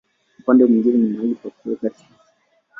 Upande mwingine ni mahali pa kuweka risasi.